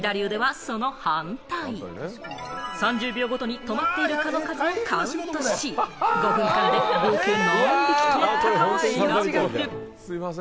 左腕はその反対、３０秒ごとに止まっている蚊の数をカウントし、５分間で合計、何匹止まったかを調べる。